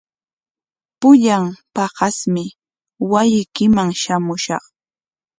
Pullan paqasmi wasiykiman shamushaq.